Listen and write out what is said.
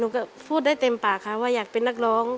พูดได้เต็มปากค่ะว่าอยากเป็นนักร้อง